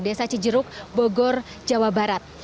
desa cijeruk bogor jawa barat